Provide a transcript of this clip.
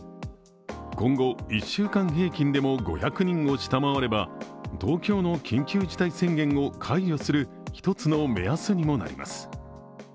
今後１週間平均でも５００人を下回れば東京の緊急事態宣言を解除する一つの目安にもなります。